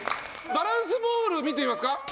バランスボール見てみますか。